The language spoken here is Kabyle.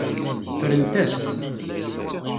Ffrent-as-t.